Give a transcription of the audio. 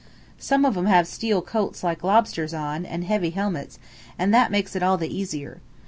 Some of 'em have steel coats like lobsters on, and heavy helmets, and that makes it all the easier.